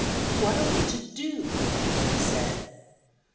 "What are we to do?" I said.